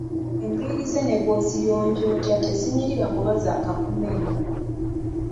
Enviiri ze ne bwayonja otya tezinyirira kuba za kakummeme.